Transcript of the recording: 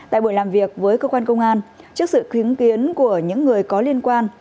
tại buổi làm việc với cơ quan công an trước sự chứng kiến của những người có liên quan